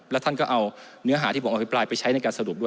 แล้วท่านก็เอาเนื้อหาที่ผมอภิปรายไปใช้ในการสรุปด้วย